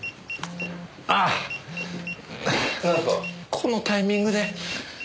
このタイミングで。